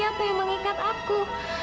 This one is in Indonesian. apa yang mengikat aku